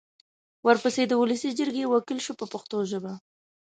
ورپسې د ولسي جرګې وکیل شو په پښتو ژبه.